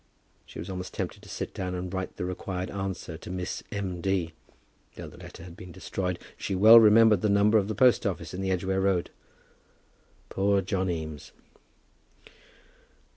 She was almost tempted to sit down and write the required answer to Miss M. D. Though the letter had been destroyed, she well remembered the number of the post office in the Edgware Road. Poor John Eames!